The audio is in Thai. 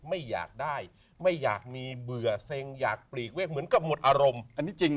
ไม่อยากได้ไม่อยากมีเบื่อเซ็งอยากปลีกเวกเหมือนกับหมดอารมณ์อันนี้จริง